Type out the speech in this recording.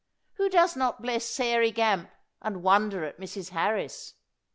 Who does not bless Sairey Gamp and wonder at Mrs. Har ris?